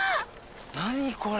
何これ。